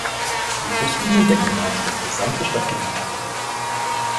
Die Buslinien decken nahezu das gesamte Stadtgebiet ab.